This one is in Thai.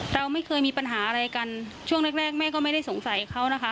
เราไม่เคยมีปัญหาอะไรกันช่วงแรกแรกแม่ก็ไม่ได้สงสัยเขานะคะ